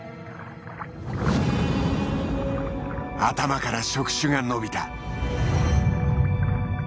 頭から触手が伸びた。